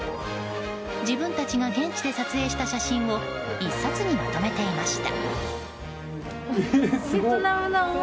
自分たちが現地で撮影した写真を１冊にまとめていました。